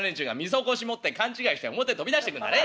そこし持って勘違いして表飛び出してくんだね。